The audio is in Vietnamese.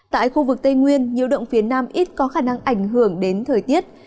tại khu vực tây nguyên nhiều động phía nam ít có khả năng ảnh hưởng đến thời tiết